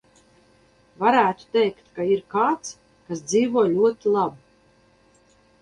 Varētu teikt, ka ir kāds, kas dzīvo ļoti labi.